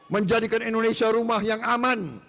menjadikan indonesia rumah yang aman